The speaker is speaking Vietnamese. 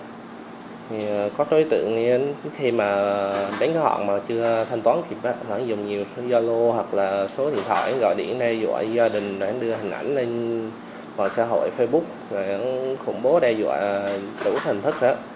thì có đối tượng thì khi mà đánh khóa họng mà chưa thanh toán thì phải dùng nhiều số gia lô hoặc là số điện thoại gọi điện đe dọa gia đình đưa hình ảnh lên mọi xã hội facebook rồi ổng khủng bố đe dọa đủ thành thức đó